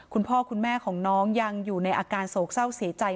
คุณพ่อคุณแม่ของน้องยังอยู่ในอาการโศกเศร้าเสียใจ